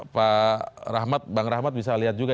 pak rahmat bang rahmat bisa lihat juga